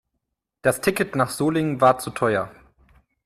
Das Ticket nach Solingen war zu teuer